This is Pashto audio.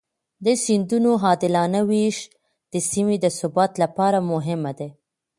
د سیندونو عادلانه وېش د سیمې د ثبات لپاره مهم دی.